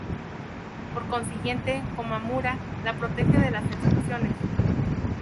Por consiguiente Komamura la protege de las explosiones.